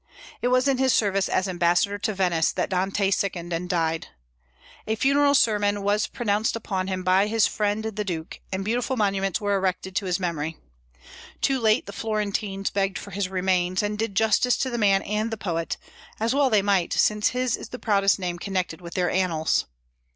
It was in his service, as ambassador to Venice, that Dante sickened and died. A funeral sermon was pronounced upon him by his friend the duke, and beautiful monuments were erected to his memory. Too late the Florentines begged for his remains, and did justice to the man and the poet; as well they might, since his is the proudest name connected with their annals.